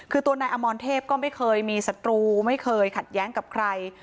คือตัวนายอมรเทพก็ไม่เคยมีศัตรูไม่เคยขัดแย้งกับใคร